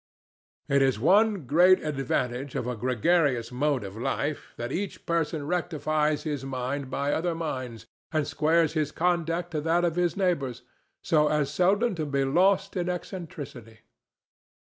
It is one great advantage of a gregarious mode of life that each person rectifies his mind by other minds and squares his conduct to that of his neighbors, so as seldom to be lost in eccentricity.